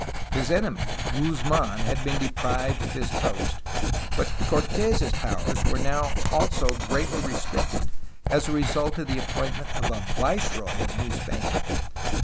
His enemy, Guzmdn, had been deprived of his post, but Cortes' powers were also now greatly restricted as a result of the appointment of a viceroy of New Spain.